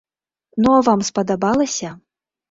Ну а вам спадабалася?